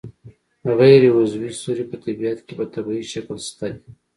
غیر عضوي سرې په طبیعت کې په طبیعي شکل شته دي.